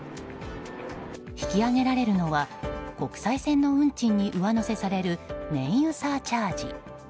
引き上げられるのは国際線の運賃に上乗せされる燃油サーチャージ。